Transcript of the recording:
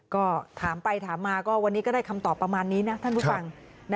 ก็ถามไปถามมาก็วันนี้ก็ได้คำตอบประมาณนี้นะท่านผู้ฟัง